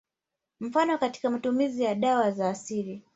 Mfano katika matumizi ya dawa za asili